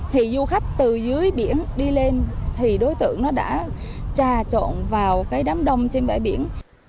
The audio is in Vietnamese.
thì du khách từ dưới biển đi lên thì đối tượng nó đã trà trộn vào cái đám đông trên bãi biển